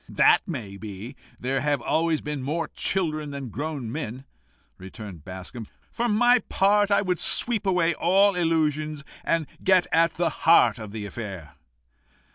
"That may be; there have always been more children than grown men," returned Bascombe. "For my part, I would sweep away all illusions, and get at the heart of the affair."